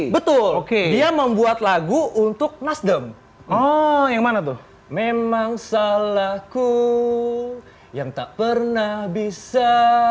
betul oke dia membuat lagu untuk nasdem oh yang mana tuh memang salahku yang tak pernah bisa